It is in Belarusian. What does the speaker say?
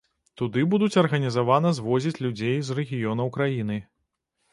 Туды будуць арганізавана звозіць людзей з рэгіёнаў краіны.